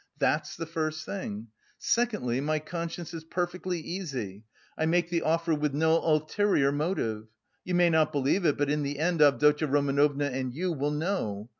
That's the first thing. Secondly, my conscience is perfectly easy; I make the offer with no ulterior motive. You may not believe it, but in the end Avdotya Romanovna and you will know.